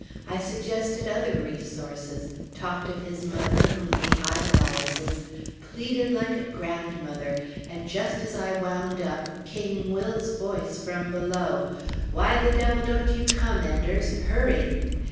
I suggested other resources; talked of his mother whom he idolizes, pleaded like a grandmother; and just as I wound up, came Will's voice from below, "Why the devil don't you come, Enders? Hurry!"